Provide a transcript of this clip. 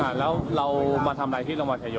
อ่าแล้วเรามาทำอะไรที่รังวัฒน์ไทยโย